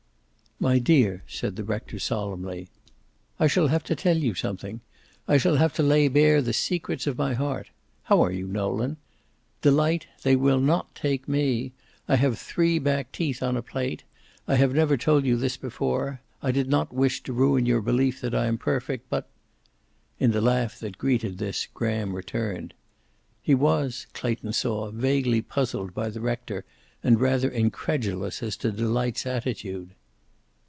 "My dear," said the rector solemnly. "T shall have to tell you something. I shall have to lay bare the secrets of my heart. How are you, Nolan? Delight, they will not take me. I have three back teeth on a plate. I have never told you this before. I did not wish to ruin your belief that I am perfect. But " In the laugh that greeted this Graham returned. He was, Clayton saw, vaguely puzzled by the rector and rather incredulous as to Delight's attitude.